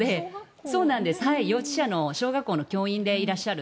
幼稚舎の小学校の教員でいらっしゃる。